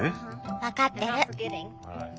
分かってる。